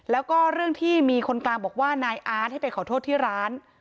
แล้วก็เรื่องที่มีคนกลางบอกว่านายอาร์ตให้ไปขอโทษที่ร้าน